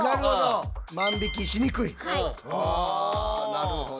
なるほど。